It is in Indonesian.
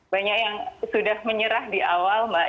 banyak yang sudah menyerah di awal mbak